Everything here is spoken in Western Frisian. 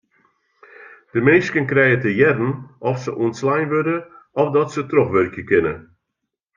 De minsken krije te hearren oft se ûntslein wurde of dat se trochwurkje kinne.